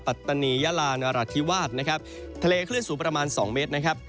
ปัตตานียาลานราธิวาสนะครับทะเลคลื่นสูงประมาณสองเมตรนะครับ